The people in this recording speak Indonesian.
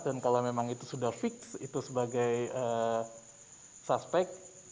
dan kalau memang itu sudah fix itu sebagai suspek